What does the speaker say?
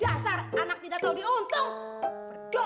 ih pergi jo sana jo